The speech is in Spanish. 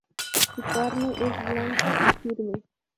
Su carne es blanca y firme.